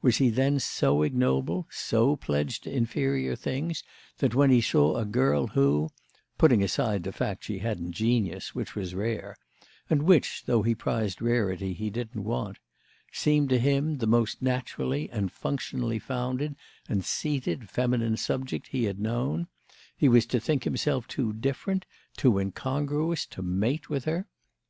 Was he then so ignoble, so pledged to inferior things, that when he saw a girl who—putting aside the fact that she hadn't genius, which was rare, and which, though he prized rarity, he didn't want—seemed to him the most naturally and functionally founded and seated feminine subject he had known, he was to think himself too different, too incongruous, to mate with her?